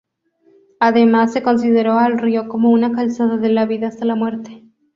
Además se consideró al río como una calzada de la vida hasta la muerte.